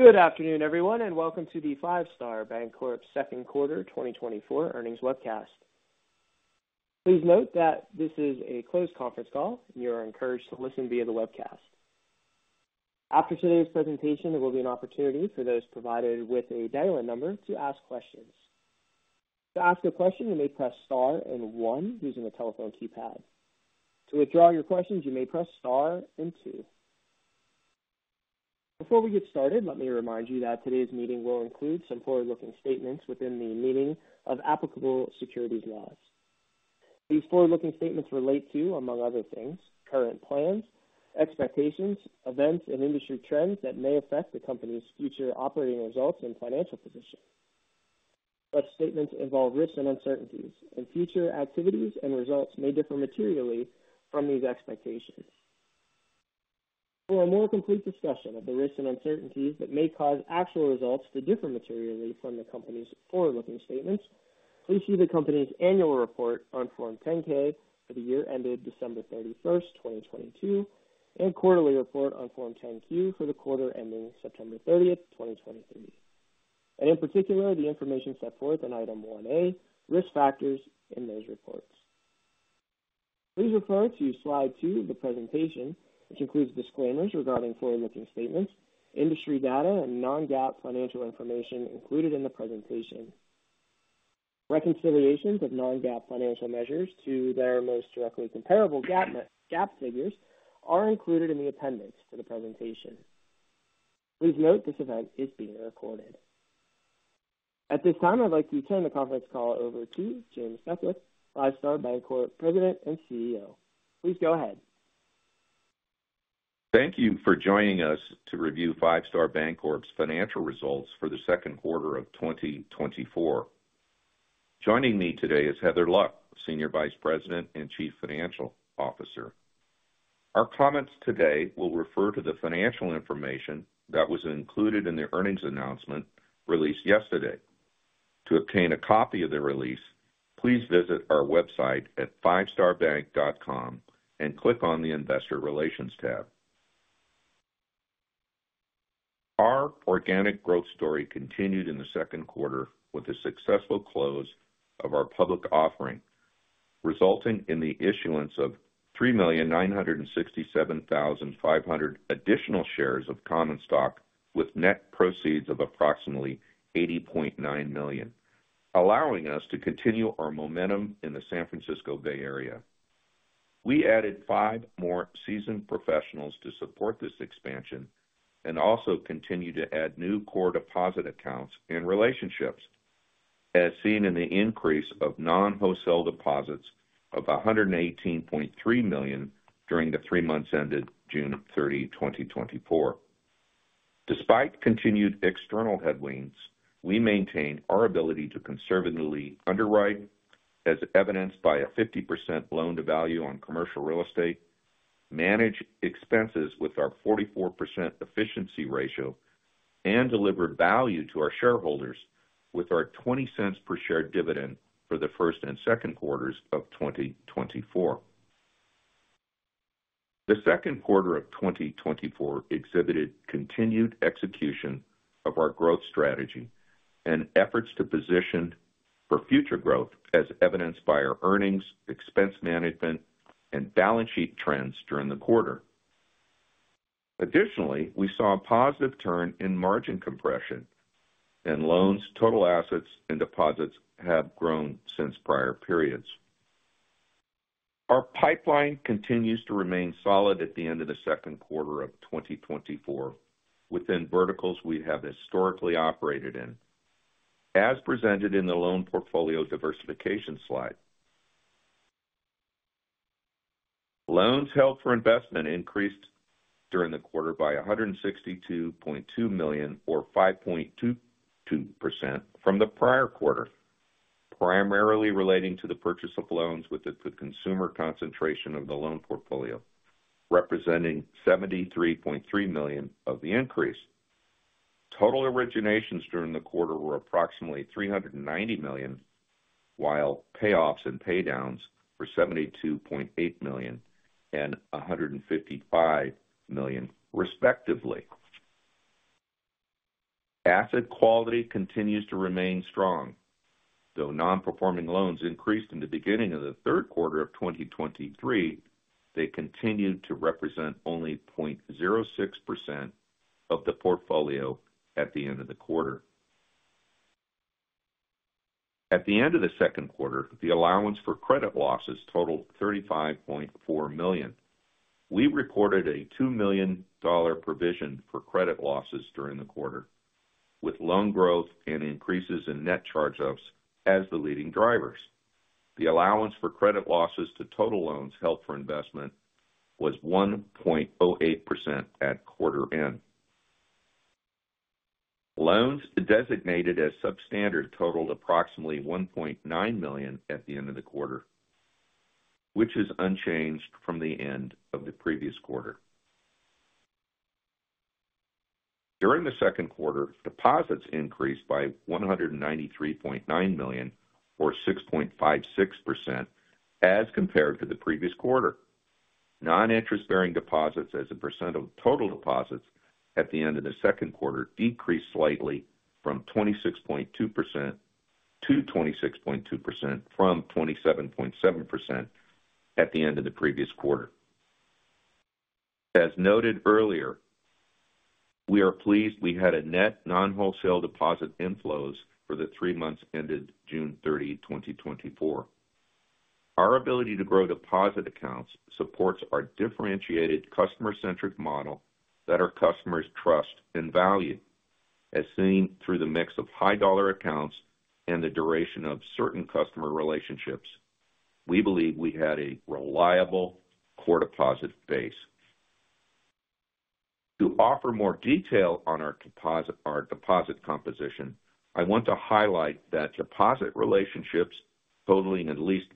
Good afternoon, everyone, and welcome to the Five Star Bancorp second quarter 2024 earnings webcast. Please note that this is a closed conference call. You are encouraged to listen via the webcast. After today's presentation, there will be an opportunity for those provided with a dial-in number to ask questions. To ask a question, you may press star and one using the telephone keypad. To withdraw your questions, you may press Star and Two. Before we get started, let me remind you that today's meeting will include some forward-looking statements within the meaning of applicable securities laws. These forward-looking statements relate to, among other things, current plans, expectations, events, and industry trends that may affect the company's future operating results and financial position. Such statements involve risks and uncertainties, and future activities and results may differ materially from these expectations. For a more complete discussion of the risks and uncertainties that may cause actual results to differ materially from the company's forward-looking statements, please see the company's annual report on Form 10-K for the year ended December 31st, 2022, and quarterly report on Form 10-Q for the quarter ending September 30th, 2023. In particular, the information set forth in Item 1A, Risk Factors in those reports. Please refer to slide two of the presentation, which includes disclaimers regarding forward-looking statements, industry data, and non-GAAP financial information included in the presentation. Reconciliations of non-GAAP financial measures to their most directly comparable GAAP, GAAP figures are included in the appendix for the presentation. Please note, this event is being recorded. At this time, I'd like to turn the conference call over to James Beckwith Five Star Bancorp, President and CEO. Please go ahead. Thank you for joining us to review Five Star Bancorp's financial results for the second quarter of 2024. Joining me today is Heather Luck, Senior Vice President and Chief Financial Officer. Our comments today will refer to the financial information that was included in the earnings announcement released yesterday. To obtain a copy of the release, please visit our website at fivestarbank.com and click on the Investor Relations tab. Our organic growth story continued in the second quarter with the successful close of our public offering, resulting in the issuance of 3,967,500 additional shares of common stock, with net proceeds of approximately $80.9 million, allowing us to continue our momentum in the San Francisco Bay Area. We added five more seasoned professionals to support this expansion and also continued to add new core deposit accounts and relationships, as seen in the increase of non-wholesale deposits of $118.3 million during the three months ended June 30, 2024. Despite continued external headwinds, we maintained our ability to conservatively underwrite, as evidenced by a 50% loan-to-value on commercial real estate, manage expenses with our 44% efficiency ratio, and deliver value to our shareholders with our $0.20 per share dividend for the first and second quarters of 2024. The second quarter of 2024 exhibited continued execution of our growth strategy and efforts to position for future growth, as evidenced by our earnings, expense management, and balance sheet trends during the quarter. Additionally, we saw a positive turn in margin compression and loans. Total assets and deposits have grown since prior periods. Our pipeline continues to remain solid at the end of the second quarter of 2024 within verticals we have historically operated in, as presented in the loan portfolio diversification slide. Loans held for investment increased during the quarter by $162.2 million, or 5.22% from the prior quarter, primarily relating to the purchase of loans with the consumer concentration of the loan portfolio, representing $73.3 million of the increase. Total originations during the quarter were approximately $390 million, while payoffs and paydowns were $72.8 million and $155 million, respectively. Asset quality continues to remain strong. Though non-performing loans increased in the beginning of the third quarter of 2023, they continued to represent only 0.06% of the portfolio at the end of the quarter. At the end of the second quarter, the allowance for credit losses totaled $35.4 million. We reported a $2 million provision for credit losses during the quarter, with loan growth and increases in net charge-offs as the leading drivers. The allowance for credit losses to total loans held for investment was 1.08% at quarter end. Loans designated as substandard totaled approximately $1.9 million at the end of the quarter, which is unchanged from the end of the previous quarter. During the second quarter, deposits increased by $193.9 million, or 6.56%, as compared to the previous quarter. Non-interest bearing deposits as a percent of total deposits at the end of the second quarter decreased slightly from 26.2%-26.2% from 27.7% at the end of the previous quarter. As noted earlier, we are pleased we had a net non-wholesale deposit inflows for the three months ended June 30, 2024. Our ability to grow deposit accounts supports our differentiated customer-centric model that our customers trust and value, as seen through the mix of high dollar accounts and the duration of certain customer relationships. We believe we had a reliable core deposit base. To offer more detail on our deposit composition, I want to highlight that deposit relationships totaling at least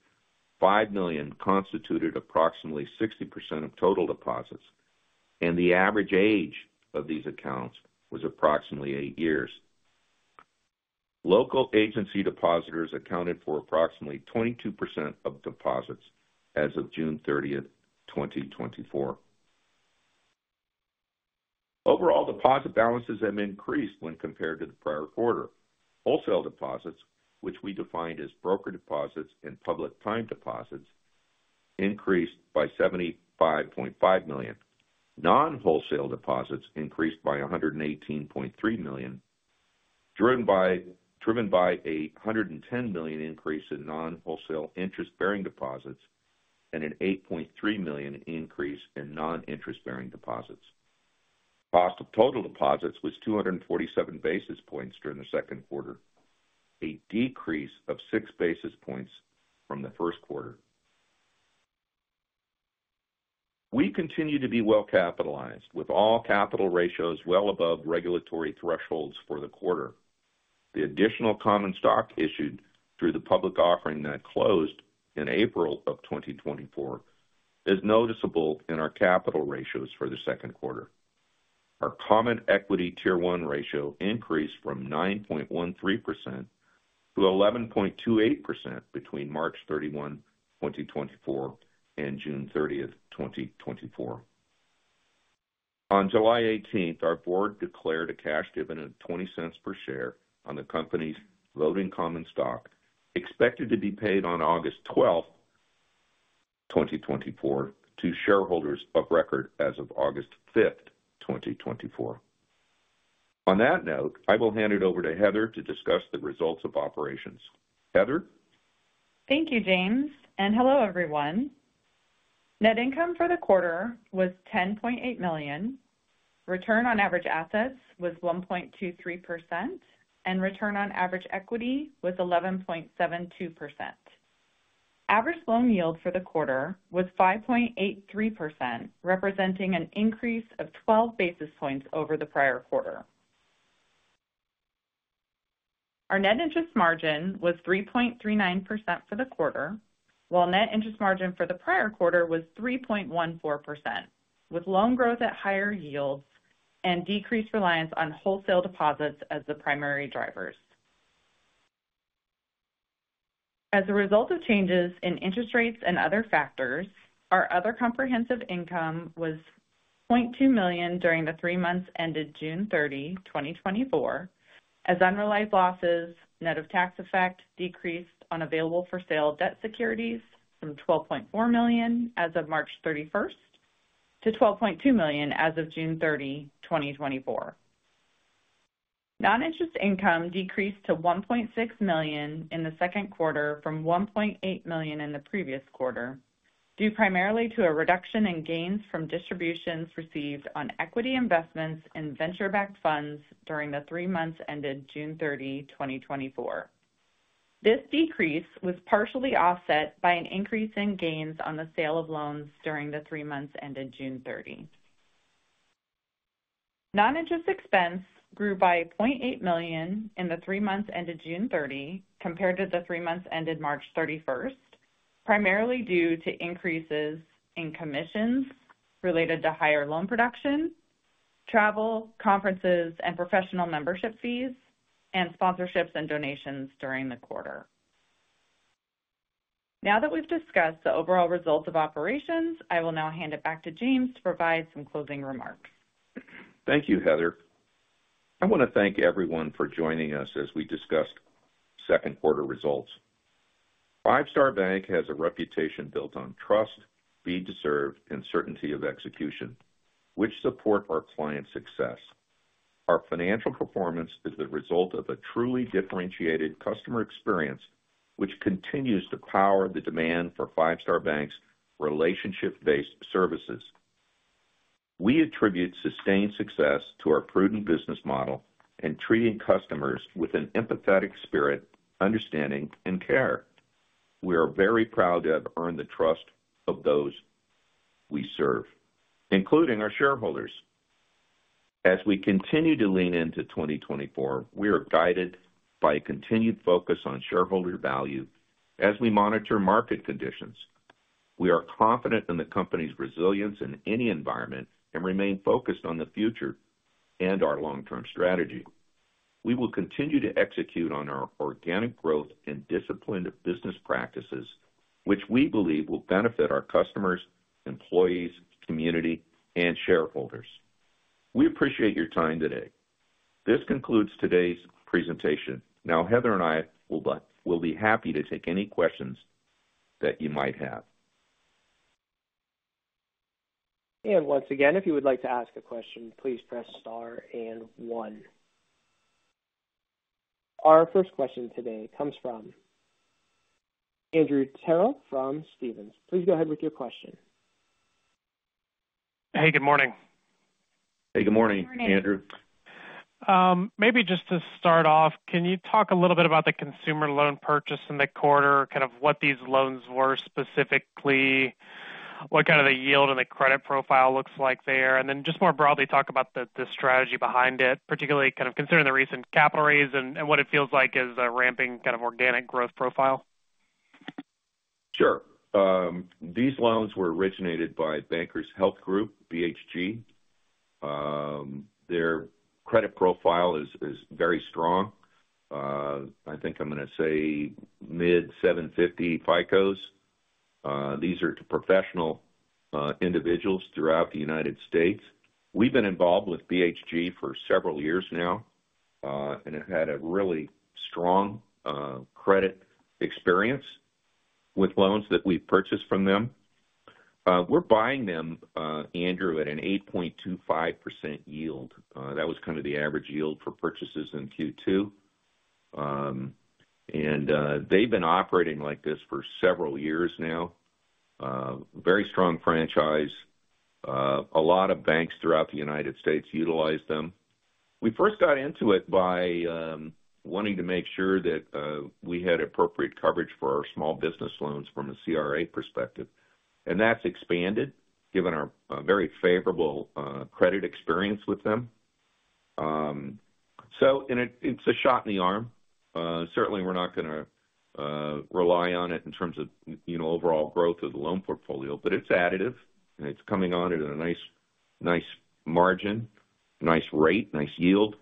$5 million constituted approximately 60% of total deposits, and the average age of these accounts was approximately eight years. Local agency depositors accounted for approximately 22% of deposits as of June 30, 2024. Overall, deposit balances have increased when compared to the prior quarter. Wholesale deposits, which we defined as broker deposits and public time deposits, increased by $75.5 million. Non-wholesale deposits increased by $118.3 million, driven by $110 million increase in non-wholesale interest-bearing deposits and an $8.3 million increase in non-interest bearing deposits. Cost of total deposits was 247 basis points during the second quarter, a decrease of 6 basis points from the first quarter. We continue to be well capitalized, with all capital ratios well above regulatory thresholds for the quarter. The additional common stock issued through the public offering that closed in April of 2024 is noticeable in our capital ratios for the second quarter. Our Common Equity Tier 1 ratio increased from 9.13%-11.28% between March 31, 2024 and June 30th, 2024. On July 18, our board declared a cash dividend of $0.20 per share on the company's voting common stock, expected to be paid on August 12th, 2024, to shareholders of record as of August 5th, 2024. On that note, I will hand it over to Heather to discuss the results of operations. Heather? Thank you, James, and hello, everyone. Net income for the quarter was $10.8 million, return on average assets was 1.23%, and return on average equity was 11.72%. Average loan yield for the quarter was 5.83%, representing an increase of 12 basis points over the prior quarter. Our net interest margin was 3.39% for the quarter, while net interest margin for the prior quarter was 3.14%, with loan growth at higher yields and decreased reliance on wholesale deposits as the primary drivers. As a result of changes in interest rates and other factors, our other comprehensive income was $0.2 million during the three months ended June 30, 2024, as unrealized losses, net of tax effect, decreased on available-for-sale debt securities from $12.4 million as of March 31st to $12.2 million as of June 30, 2024. Non-interest income decreased to $1.6 million in the second quarter from $1.8 million in the previous quarter, due primarily to a reduction in gains from distributions received on equity investments in venture-backed funds during the three months ended June 30, 2024. This decrease was partially offset by an increase in gains on the sale of loans during the three months ended June 30. Non-interest expense grew by $0.8 million in the three months ended June 30, compared to the three months ended March 31st, primarily due to increases in commissions related to higher loan production, travel, conferences, and professional membership fees, and sponsorships and donations during the quarter. Now that we've discussed the overall results of operations, I will now hand it back to James to provide some closing remarks. Thank you, Heather. I want to thank everyone for joining us as we discussed second quarter results. Five Star Bank has a reputation built on trust, speed to serve, and certainty of execution, which support our clients' success. Our financial performance is the result of a truly differentiated customer experience, which continues to power the demand for Five Star Bank's relationship-based services. We attribute sustained success to our prudent business model and treating customers with an empathetic spirit, understanding, and care. We are very proud to have earned the trust of those we serve, including our shareholders. As we continue to lean into 2024, we are guided by a continued focus on shareholder value as we monitor market conditions. We are confident in the company's resilience in any environment and remain focused on the future and our long-term strategy. We will continue to execute on our organic growth and disciplined business practices, which we believe will benefit our customers, employees, community, and shareholders. We appreciate your time today. This concludes today's presentation. Now, Heather and I will, will be happy to take any questions that you might have. Once again, if you would like to ask a question, please press star and one. Our first question today comes from Andrew Terrell from Stephens. Please go ahead with your question. Hey, good morning. Hey, good morning, Andrew. Maybe just to start off, can you talk a little bit about the consumer loan purchase in the quarter? Kind of what these loans were specifically, what kind of the yield and the credit profile looks like there. And then just more broadly, talk about the strategy behind it, particularly kind of considering the recent capital raise and what it feels like as a ramping kind of organic growth profile. Sure. These loans were originated by Bankers Health Group, BHG. Their credit profile is very strong. I think I'm gonna say mid-750 FICOs. These are professional individuals throughout the United States. We've been involved with BHG for several years now, and have had a really strong credit experience with loans that we've purchased from them. We're buying them, Andrew, at an 8.25% yield. That was kind of the average yield for purchases in Q2. They've been operating like this for several years now. Very strong franchise. A lot of banks throughout the United States utilize them. We first got into it by wanting to make sure that we had appropriate coverage for our small business loans from a CRA perspective, and that's expanded, given our very favorable credit experience with them. It's a shot in the arm. Certainly, we're not gonna rely on it in terms of, you know, overall growth of the loan portfolio, but it's additive, and it's coming on at a nice, nice margin, nice rate, nice yield,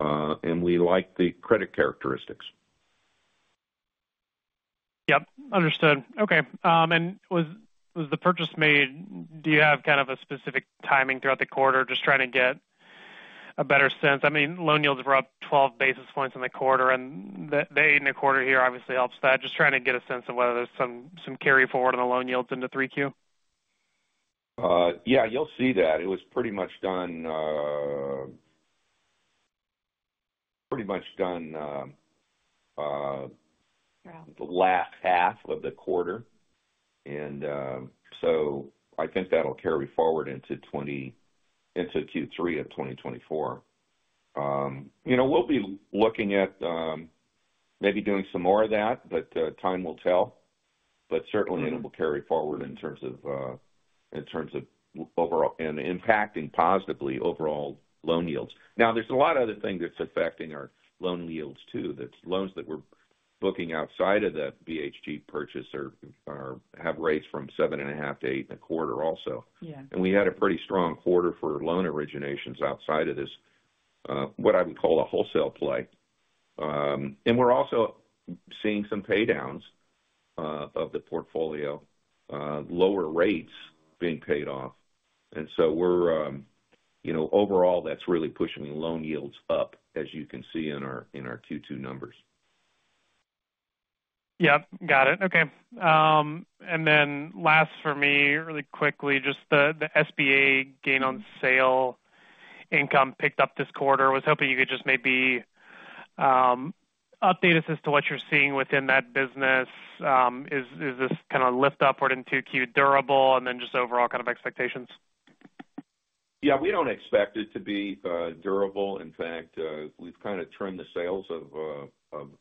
and we like the credit characteristics. Yep, understood. Okay, and was the purchase made? Do you have kind of a specific timing throughout the quarter? Just trying to get a better sense. I mean, loan yields were up 12 basis points in the quarter, and they in the quarter here obviously helps that. Just trying to get a sense of whether there's some carryforward on the loan yields into 3Q. Yeah, you'll see that. It was pretty much done, pretty much done. Yeah the last half of the quarter. And, so I think that'll carry forward into Q3 of 2024. You know, we'll be looking at, maybe doing some more of that, but, time will tell. But certainly, it'll carry forward in terms of, in terms of overall and impacting positively overall loan yields. Now, there's a lot of other things that's affecting our loan yields, too. That's loans that we're booking outside of the BHG purchase are have raised from 7.5-8.25 in a quarter also. Yeah. We had a pretty strong quarter for loan originations outside of this, what I would call a wholesale play. And we're also seeing some pay downs of the portfolio, lower rates being paid off. And so we're, you know, overall, that's really pushing loan yields up, as you can see in our, in our Q2 numbers. Yep, got it. Okay, and then last for me, really quickly, just the SBA gain on sale income picked up this quarter. I was hoping you could just maybe update us as to what you're seeing within that business. Is this kind of lift upward in 2Q durable? And then just overall kind of expectations. Yeah, we don't expect it to be durable. In fact, we've kind of trimmed the sales of the origination function.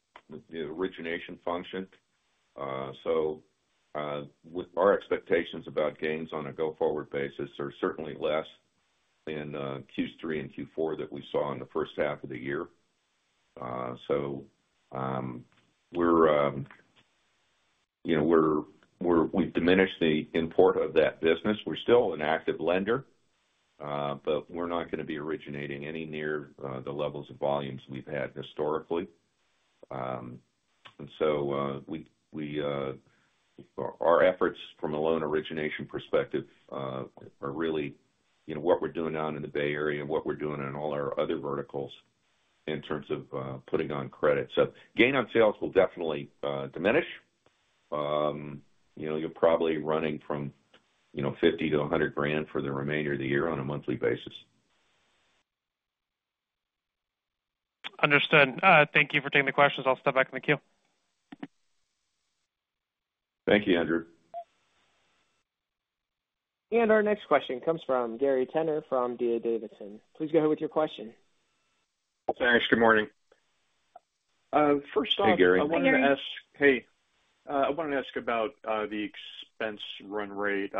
So, with our expectations about gains on a go-forward basis are certainly less in Q3 and Q4 that we saw in the first half of the year. So, we're, you know, we're-- we've diminished the import of that business. We're still an active lender, but we're not going to be originating any near the levels of volumes we've had historically. And so, our efforts from a loan origination perspective are really, you know, what we're doing down in the Bay Area and what we're doing in all our other verticals in terms of putting on credit. So gain on sales will definitely diminish. You know, you're probably running from, you know, $50,000-$100,000 for the remainder of the year on a monthly basis. Understood. Thank you for taking the questions. I'll step back in the queue. Thank you, Andrew. Our next question comes from Gary Tenner from D.A. Davidson. Please go ahead with your question. Thanks. Good morning. Hey, Gary. First off, I wanted to ask. Hey, I wanted to ask about the expense run rate.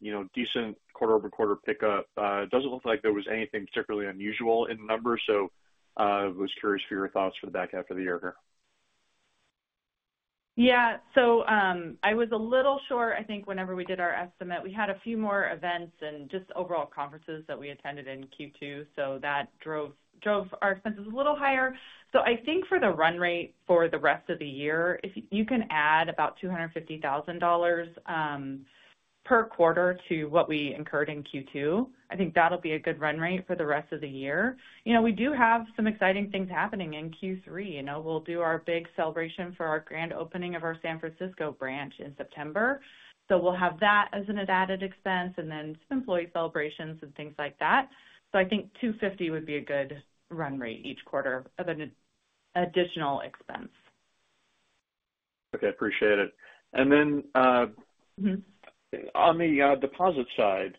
You know, decent quarter-over-quarter pickup. It doesn't look like there was anything particularly unusual in the numbers, so, was curious for your thoughts for the back half of the year here. Yeah. So, I was a little short, I think, whenever we did our estimate. We had a few more events and just overall conferences that we attended in Q2, so that drove our expenses a little higher. So I think for the run rate for the rest of the year, you can add about $250,000 per quarter to what we incurred in Q2. I think that'll be a good run rate for the rest of the year. You know, we do have some exciting things happening in Q3. You know, we'll do our big celebration for our grand opening of our San Francisco branch in September. So we'll have that as an added expense and then some employee celebrations and things like that. I think $250 would be a good run rate each quarter of an additional expense. Okay, appreciate it. And then, Mm-hmm. On the deposit side,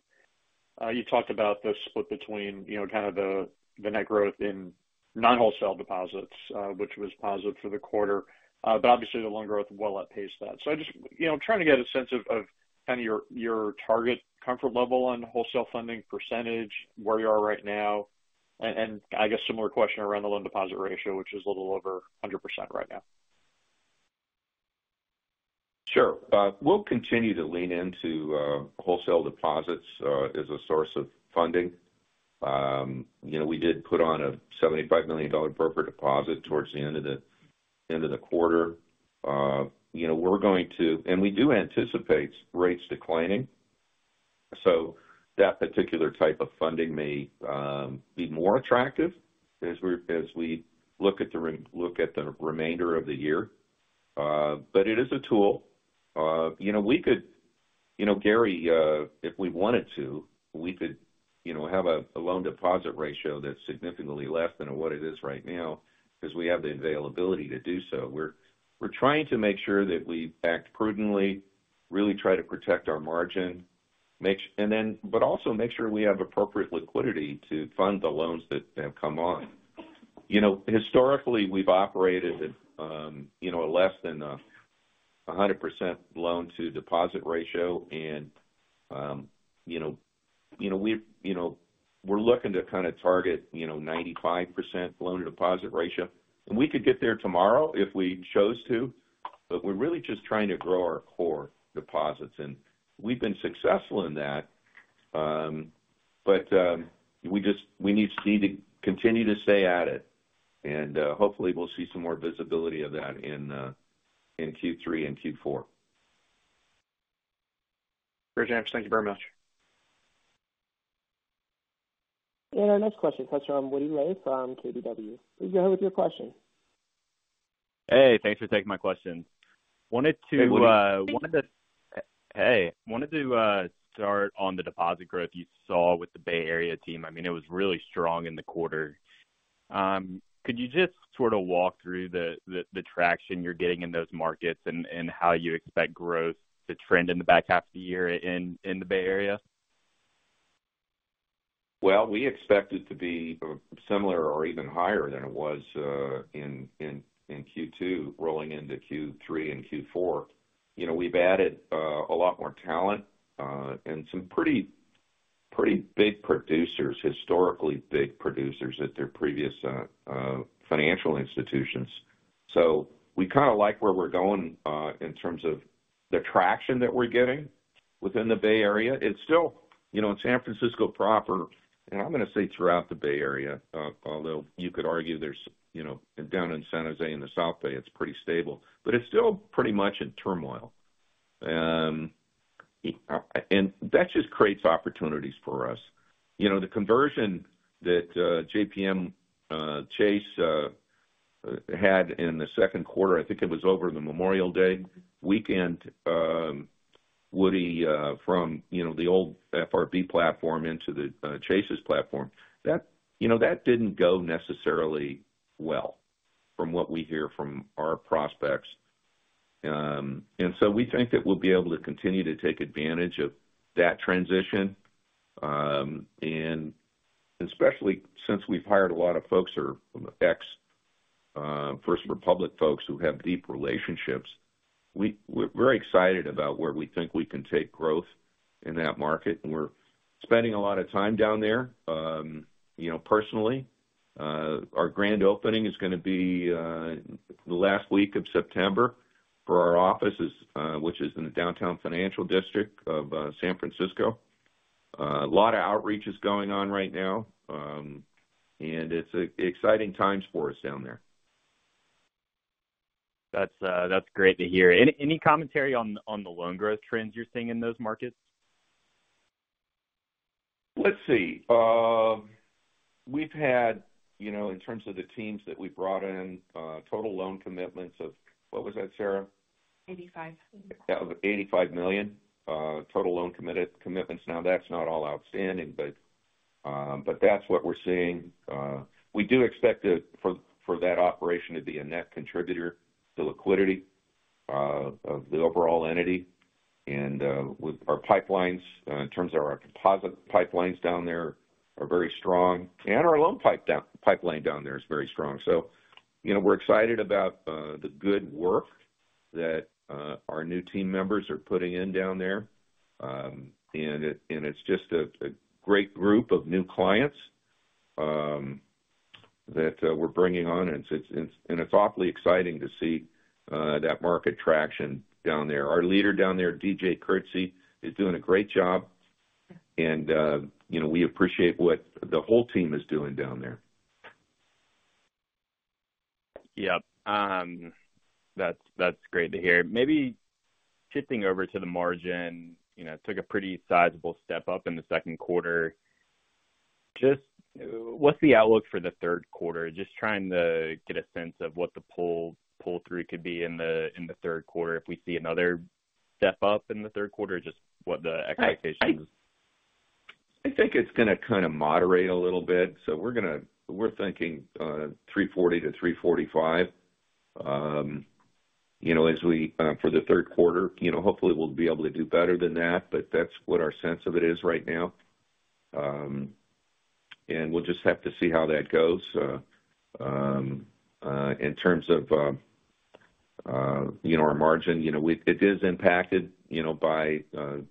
you talked about the split between, you know, kind of the net growth in non-wholesale deposits, which was positive for the quarter, but obviously, the loan growth well outpaced that. So I just, you know, I'm trying to get a sense of kind of your target comfort level on wholesale funding percentage, where you are right now. And I guess similar question around the loan deposit ratio, which is a little over 100% right now. Sure. We'll continue to lean into wholesale deposits as a source of funding. You know, we did put on a $75 million broker deposit towards the end of the quarter. You know, we're going to... And we do anticipate rates declining, so that particular type of funding may be more attractive as we look at the remainder of the year. But it is a tool. You know, we could, you know, Gary, if we wanted to, we could, you know, have a loan deposit ratio that's significantly less than what it is right now because we have the availability to do so. We're trying to make sure that we act prudently, really try to protect our margin, make, and then, but also make sure we have appropriate liquidity to fund the loans that have come on. You know, historically, we've operated at, you know, less than 100% loan-to-deposit ratio. And, you know, we're looking to kind of target, you know, 95% loan-to-deposit ratio. And we could get there tomorrow if we chose to, but we're really just trying to grow our core deposits, and we've been successful in that. But, we just, we need to see to continue to stay at it, and, hopefully we'll see some more visibility of that in Q3 and Q4. Great, thanks. Thank you very much. Our next question comes from Woody Lay from KBW. Please go ahead with your question. Hey, thanks for taking my question. Wanted to- Hey, Woody. Hey! Wanted to start on the deposit growth you saw with the Bay Area team. I mean, it was really strong in the quarter. Could you just sort of walk through the traction you're getting in those markets and how you expect growth to trend in the back half of the year in the Bay Area? Well, we expect it to be similar or even higher than it was in Q2 rolling into Q3 and Q4. You know, we've added a lot more talent and some pretty, pretty big producers, historically big producers at their previous financial institutions. So we kind of like where we're going in terms of the traction that we're getting within the Bay Area. It's still, you know, in San Francisco, proper, and I'm going to say throughout the Bay Area, although you could argue there's, you know, down in San Jose, in the South Bay, it's pretty stable, but it's still pretty much in turmoil. And that just creates opportunities for us. You know, the conversion that JPM Chase had in the second quarter, I think it was over the Memorial Day weekend, Woody from, you know, the old FRB platform into the Chase's platform, that, you know, that didn't go necessarily well from what we hear from our prospects. And so we think that we'll be able to continue to take advantage of that transition, and especially since we've hired a lot of folks who are ex-First Republic folks who have deep relationships. We're very excited about where we think we can take growth in that market, and we're spending a lot of time down there. You know, personally, our grand opening is gonna be the last week of September for our offices, which is in the downtown financial district of San Francisco. A lot of outreach is going on right now, and it's exciting times for us down there. That's great to hear. Any commentary on the loan growth trends you're seeing in those markets? Let's see. We've had, you know, in terms of the teams that we brought in, total loan commitments of... What was that, Sarah? Eighty-five. $85 million total loan commitments. Now, that's not all outstanding, but that's what we're seeing. We do expect it for that operation to be a net contributor to liquidity of the overall entity. And with our pipelines in terms of our composite pipelines down there are very strong, and our loan pipeline down there is very strong. So, you know, we're excited about the good work that our new team members are putting in down there. And it's just a great group of new clients that we're bringing on, and it's awfully exciting to see that market traction down there. Our leader down there, D.J. Kurtze, is doing a great job, and you know, we appreciate what the whole team is doing down there. Yep. That's great to hear. Maybe shifting over to the margin, you know, took a pretty sizable step up in the second quarter. Just what's the outlook for the third quarter? Just trying to get a sense of what the pull-through could be in the third quarter. If we see another step up in the third quarter, just what the expectation is. I think it's gonna kinda moderate a little bit, so we're gonna we're thinking, three forty to three forty-five. You know, as we for the third quarter, you know, hopefully, we'll be able to do better than that, but that's what our sense of it is right now. And we'll just have to see how that goes. In terms of, you know, our margin, you know, we it is impacted, you know, by,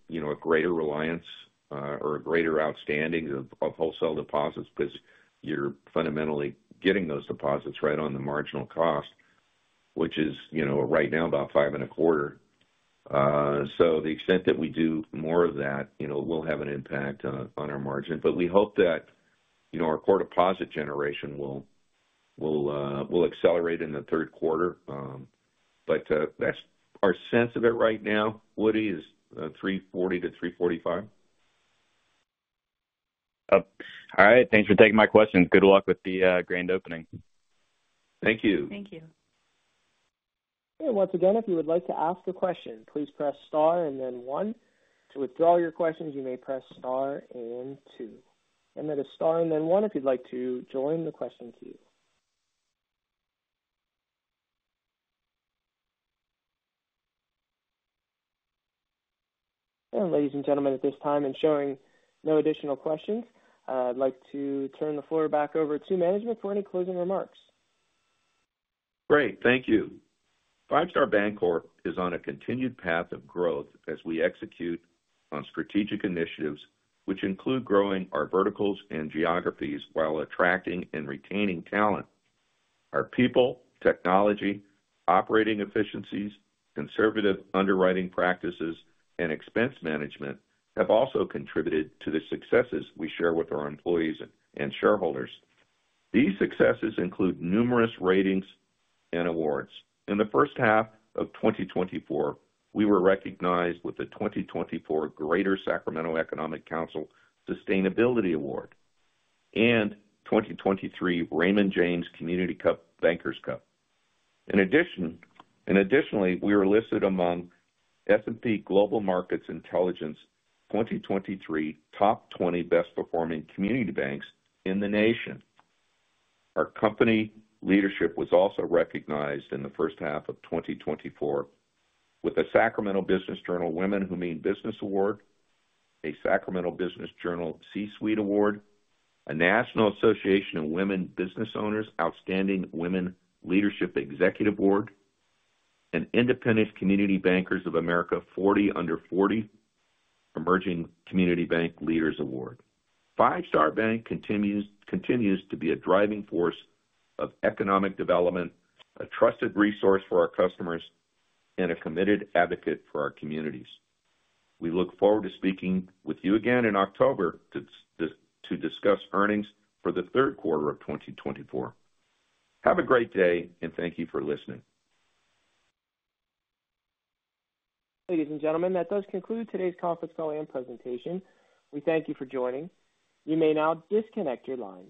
you know, a greater reliance, or a greater outstanding of, of wholesale deposits, because you're fundamentally getting those deposits right on the marginal cost, which is, you know, right now, about five and a quarter. So the extent that we do more of that, you know, will have an impact on our margin, but we hope that, you know, our core deposit generation will accelerate in the third quarter. But that's our sense of it right now, Woody, is 3.40%-3.45%. Oh, all right. Thanks for taking my questions. Good luck with the grand opening. Thank you. Thank you. Once again, if you would like to ask a question, please press Star and then one. To withdraw your questions, you may press Star and two. That is Star and then one if you'd like to join the question queue. Ladies and gentlemen, at this time and showing no additional questions, I'd like to turn the floor back over to management for any closing remarks. Great, thank you. Five Star Bancorp is on a continued path of growth as we execute on strategic initiatives, which include growing our verticals and geographies while attracting and retaining talent. Our people, technology, operating efficiencies, conservative underwriting practices, and expense management have also contributed to the successes we share with our employees and shareholders. These successes include numerous ratings and awards. In the first half of 2024, we were recognized with the 2024 Greater Sacramento Economic Council Sustainability Award and 2023 Raymond James Community Bankers Cup. In addition and additionally, we were listed among S&P Global Market Intelligence 2023 Top 20 Best Performing Community Banks in the nation. Our company leadership was also recognized in the first half of 2024 with the Sacramento Business Journal Women Who Mean Business Award, a Sacramento Business Journal C-Suite Award, a National Association of Women Business Owners Outstanding Women Leadership Executive Board, an Independent Community Bankers of America 40 Under 40 Emerging Community Bank Leaders Award. Five Star Bank continues to be a driving force of economic development, a trusted resource for our customers, and a committed advocate for our communities. We look forward to speaking with you again in October to discuss earnings for the third quarter of 2024. Have a great day, and thank you for listening. Ladies and gentlemen, that does conclude today's conference call and presentation. We thank you for joining. You may now disconnect your lines.